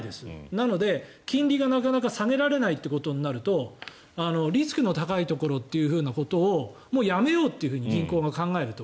なので、金利がなかなか下げられないとなるとリスクの高いところということをもうやめようって銀行が考えると。